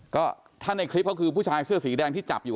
ก็ถ้าในคลิปเขาคือผู้ชายเสื้อสีแดงที่จับอยู่